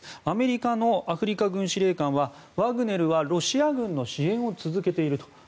アメリカのアフリカ軍司令官はワグネルのロシア軍の支援を続けていると。